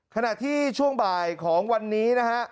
ขณะที่ช่วงบ่ายของวันนี้นะฮะ